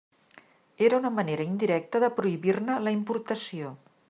Era una manera indirecta de prohibir-ne la importació.